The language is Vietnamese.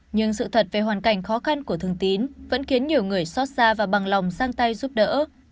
nhưng sự thật về hoàn cảnh khó khăn của thường tín vẫn khiến nhiều người xót xa và bằng lòng sang tay giúp đỡ